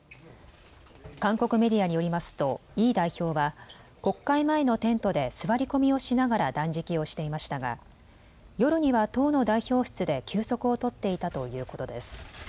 韓国メディアによりますとイ代表は国会前のテントで座り込みをしながら断食をしていましたが夜には党の代表室で休息を取っていたということです。